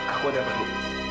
aku ada yang perlu